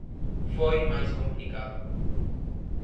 Foi máis complicado.